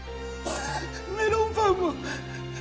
メロンパンも